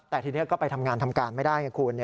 แต่ทีนี้ก็ไปทำงานทำการไม่ได้ไงคุณ